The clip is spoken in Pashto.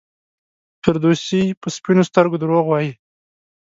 فردوسي په سپینو سترګو دروغ وایي.